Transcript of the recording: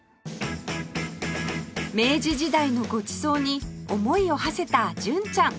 明治時代のごちそうに思いをはせた純ちゃん